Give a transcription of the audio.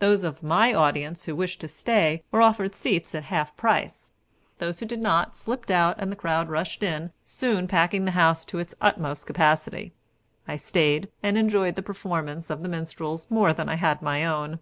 Those of my audience who wished to stay were offered seats at half price; those who did not, slipped out, and the crowd rushed in, soon packing the house to its utmost capacity. I stayed, and enjoyed the performance of the minstrels more than I had my own.